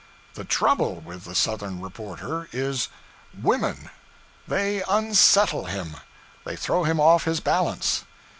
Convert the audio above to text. The trouble with the Southern reporter is Women. They unsettle him; they throw him off his balance.